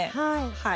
はい。